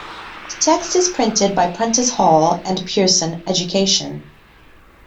The text is printed by Prentice Hall and Pearson Education.